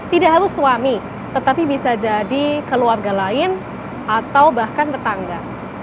tidak harus suami tetapi bisa jadi keluarga lain atau bahkan tetangga